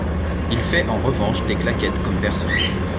Il fait en revanche des claquettes comme personne.